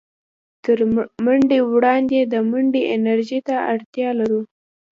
تر منډې وړاندې د منډې انرژۍ ته اړتيا لرو.